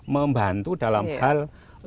membantu dalam hal